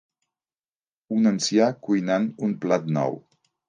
Un ancià cuinant un plat nou.